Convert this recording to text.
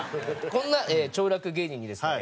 こんな兆楽芸人にですね